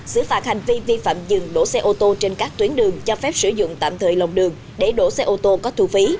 xử phạt hành vi vi phạm dừng đổ xe ô tô trên các tuyến đường cho phép sử dụng tạm thời lòng đường để đổ xe ô tô có thu phí